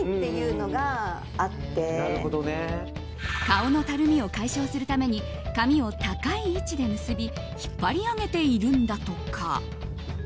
顔のたるみを解消するために髪を高い位置で結び引っ張り上げているんだとか。